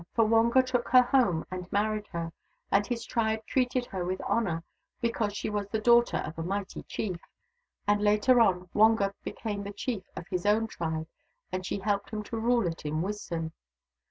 For Wonga took her home and married her, and his tribe treated her with honour because she was the daughter of a mighty chief ; and later on, Wonga became the chief of his own tribe, and she helped him to rule it in wisdom.